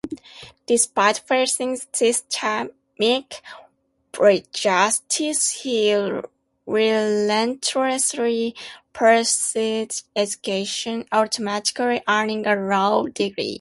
Despite facing systemic prejudices, he relentlessly pursued education, ultimately earning a law degree.